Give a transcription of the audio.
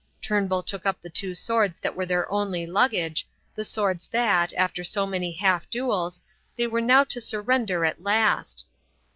Turnbull took up the two swords that were their only luggage; the swords that, after so many half duels, they were now to surrender at last.